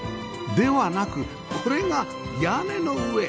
ではなくこれが屋根の上！